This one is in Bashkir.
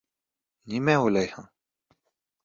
— Нимә уйлайһың?